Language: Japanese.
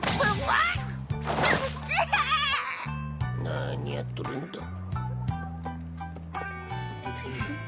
何やっとるんだ。